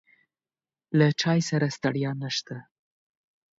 له چای سره ستړیا نشته.